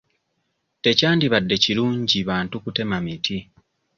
Tekyandibadde kirungi bantu kutema miti.